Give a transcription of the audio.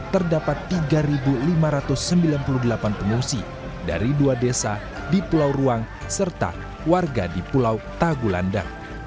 terdapat tiga lima ratus sembilan puluh delapan pengungsi dari dua desa di pulau ruang serta warga di pulau tagulandang